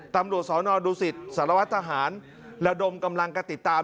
ตำรวจสนดูสิตสารวัตรทหารระดมกำลังกระติดตาม